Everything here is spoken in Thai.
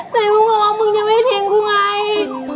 แต่พี่บอกว่ามึงจะไม่ทิ้งกูไง